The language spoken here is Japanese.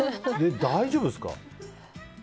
大丈夫ですか？